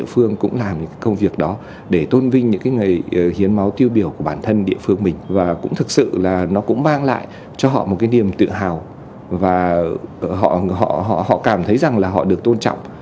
họ cảm thấy rằng là họ được tôn trọng